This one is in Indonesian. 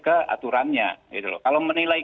ke aturannya kalau menilai